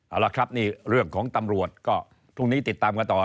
เอาละครับนี่เรื่องของตำรวจก็พรุ่งนี้ติดตามกันต่อ